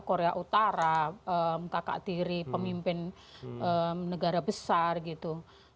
korea utara kakak tiri pemimpin negara besar gitu